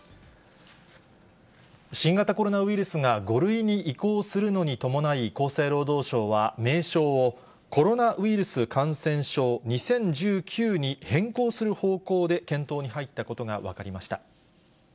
新型コロナウイルスが５類に移行するのに伴い、厚生労働省は、名称を、コロナウイルス感染症２０１９に変更する方向で検討に入ったことが分かりました。